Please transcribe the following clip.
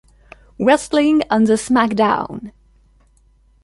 Wrestling on the SmackDown!